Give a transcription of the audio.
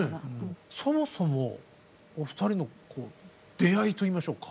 そもそもお二人の出会いといいましょうか。